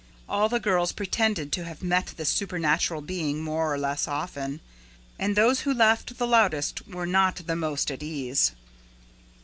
All the girls pretended to have met this supernatural being more or less often. And those who laughed the loudest were not the most at ease.